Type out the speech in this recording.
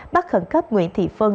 bắt khẩn cấp nguyễn thị phân